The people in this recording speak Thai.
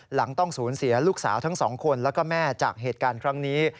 หลังต้องสูญเสียลูกสาวทั้งสองคนแล้วก็แม่จากเหตุการณ์ครั้งนี้